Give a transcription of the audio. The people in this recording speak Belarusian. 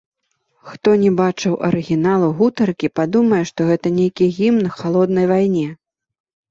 Хто не бачыў арыгіналу гутаркі, падумае, што гэта нейкі гімн халоднай вайне.